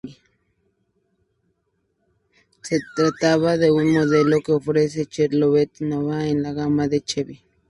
Se trataba de un modelo que ofrecía Chevrolet Nova en la gama del Chevy.